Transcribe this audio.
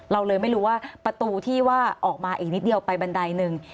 เราเลยไม่รู้ว่าประตูที่ว่าออกมาอีกนิดเดียวไปบันไดหนึ่ง